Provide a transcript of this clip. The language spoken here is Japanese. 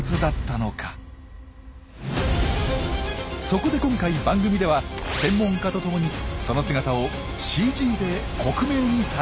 そこで今回番組では専門家と共にその姿をＣＧで克明に再現することにしました。